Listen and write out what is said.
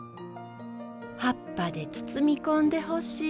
葉っぱで包み込んでほしい。